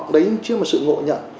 đấy chính là sự ngộ nhận